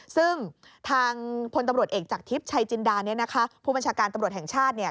ซึ่งทางพลตำรวจเอกจากทิพย์ชายจินดาผู้บัญชาการตำรวจแห่งชาติ